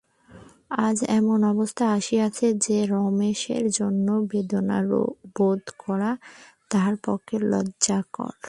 আজ এমন অবস্থা আসিয়াছে যে, রমেশের জন্য বেদনা বোধ করা তাহার পক্ষে লজ্জাকর।